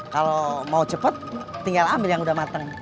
kalau mau cepet tinggal ambil yang udah mateng